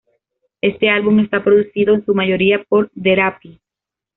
Este álbum está producido en su mayoría por Therapy.